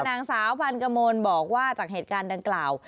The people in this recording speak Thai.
นางสาวพันกมลบอกว่าจากเหตุการณ์ดังกล่าว